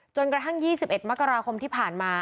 จนกระทั่ง๒๑มกราคมที่ผ่านมา